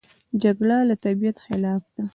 جګړه د طبیعت خلاف ده